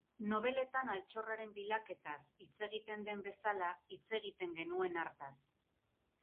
Nobeletan altxorraren bilaketaz hitz egiten den bezala hitz egiten genuen hartaz.